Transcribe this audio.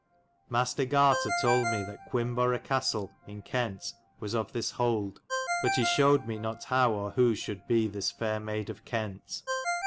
Mastar Gartar told me that Quinborow Castell in Kent was of this hold; but he shoid me not how, or who shuld be this faire Maide of Kent.